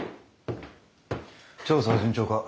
調査は順調か？